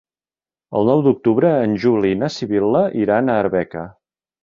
El nou d'octubre en Juli i na Sibil·la iran a Arbeca.